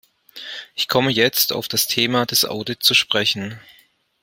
Ich komme jetzt auf das Thema des Audit zu sprechen.